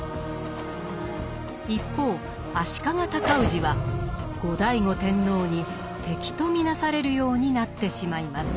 一方足利尊氏は後醍醐天皇に敵と見なされるようになってしまいます。